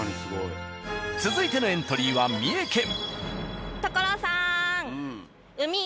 続いてのエントリーは三重県。